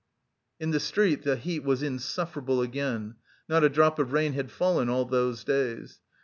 In the street the heat was insufferable again; not a drop of rain had fallen all those days.